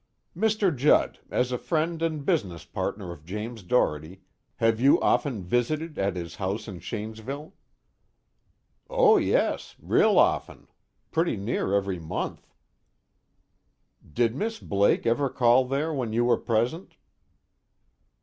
"Mr. Judd, as a friend and business partner of James Doherty, have you often visited at his house in Shanesville?" "Oh yes. Real often. Pretty near every month." "Did Miss Blake ever call there when you were present?"